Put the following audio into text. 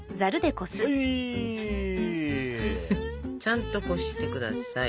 ちゃんとこして下さい。